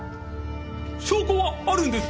証拠はあるんですか？